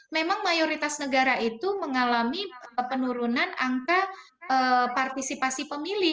memang mayoritas negara itu mengalami penurunan angka partisipasi pemilih